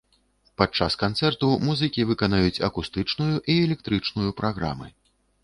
Падчас канцэрту музыкі выканаюць акустычную і электрычную праграмы.